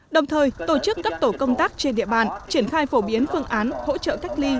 đồng thời tổ chức các tổ công tác trên địa bàn triển khai phổ biến phương án hỗ trợ cách ly